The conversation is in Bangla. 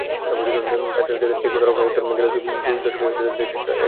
তাকে ঠিকমতো রক্ষা করতে গেলে দুই দেশকেই একই ছাতার তলায় আসতে হবে।